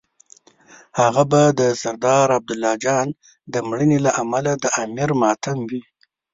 هغه به د سردار عبدالله جان د مړینې له امله د امیر ماتم وي.